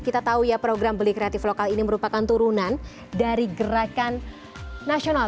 kita tahu ya program beli kreatif lokal ini merupakan turunan dari gerakan nasional